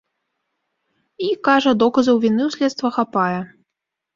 І, кажа, доказаў віны ў следства хапае.